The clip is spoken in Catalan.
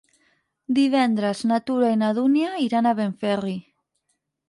Divendres na Tura i na Dúnia iran a Benferri.